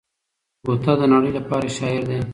ګوته د نړۍ لپاره شاعر دی.